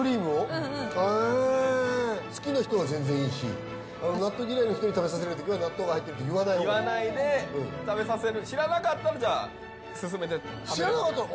うんうん好きな人は全然いいし納豆嫌いの人に食べさせるときは納豆が入ってるって言わないように言わないで食べさせる知らなかったらじゃあ勧めて食べれますよね